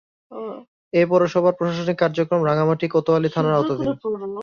এ পৌরসভার প্রশাসনিক কার্যক্রম রাঙ্গামাটি কোতোয়ালী থানার আওতাধীন।